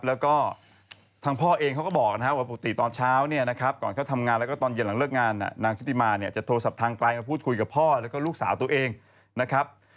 แล้วก็ทางพ่อเองเขาก็บอกนะครับว่าปกติตอนเช้าเนี่ยนะครับก่อนเขาทำงานแล้วก็ตอนเย็นหลังเลิกงานนางชุติมาเนี่ยจะโทรศัพท์ทางไกลมาพูดคุยกับพ่อแล้วก็ลูกสาวตัวเองนะครับ